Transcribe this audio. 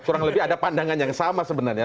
kurang lebih ada pandangan yang sama sebenarnya